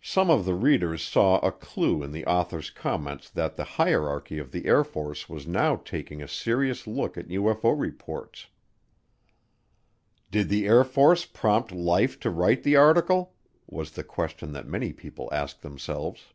Some of the readers saw a clue in the author's comments that the hierarchy of the Air Force was now taking a serious look at UFO reports. "Did the Air Force prompt Life to write the article?" was the question that many people asked themselves.